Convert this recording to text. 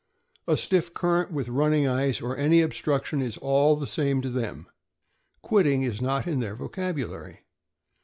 A stiff current, with running ice, or any obstruction, is all the same to them. Quitting is not in their vocabulary.